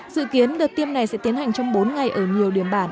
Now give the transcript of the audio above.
dự kiến đợt tiêm này sẽ tiến hành trong bốn ngày ở nhiều điểm bản